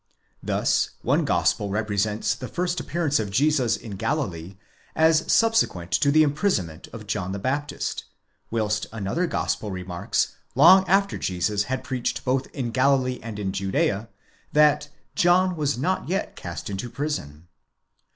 Thus, one gospel represents the first appearance of Jesus in Galilee as subsequent to the imprisonment of John the Baptist, whilst another Gospel remarks, long after Jesus had preached both in Galilee and in Judea, that '' John was not yet cast into prison."